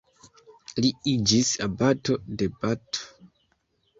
Li iĝis abato de Bath.